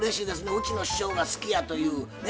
うちの師匠が好きやというね。